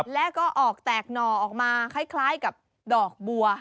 แล้วก็ออกแตกหน่อออกมาคล้ายกับดอกบัว